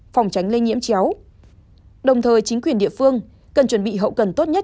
phòng tránh lây nhiễm chéo đồng thời chính quyền địa phương cần chuẩn bị hậu cần tốt nhất